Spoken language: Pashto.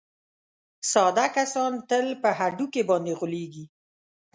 ساده کسان تل په هډوکي باندې غولېږي.